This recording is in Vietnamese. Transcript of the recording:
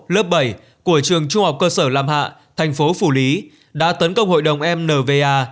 lớp bảy của trường trung học cơ sở lam hạ thành phố phủ lý đã tấn công hội đồng mva